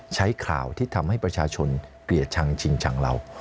ใช้ข่าวที่ทำให้ประชาชนเกลียดชังชิงชังเรา